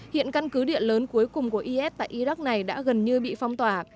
hiện căn cứ điện lớn cuối cùng của is tại iraq này đã gần như bị phong tỏa